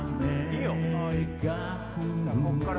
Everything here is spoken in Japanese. こっから